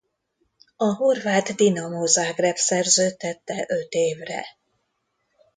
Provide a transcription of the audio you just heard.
A horvát Dinamo Zagreb szerződtette öt évre.